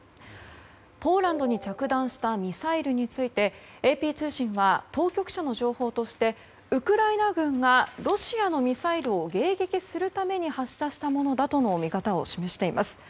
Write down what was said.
ポーランドに着弾したミサイルについてＡＰ通信は当局者の情報としてウクライナ軍がロシアのミサイルを迎撃するために発射したものだとの見方を示しています。